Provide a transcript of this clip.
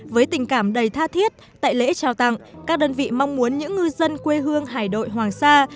với tình cảm đầy tha thiết tại lễ trao tặng các đơn vị mong muốn những ngư dân quê hương hải đội hoàng sa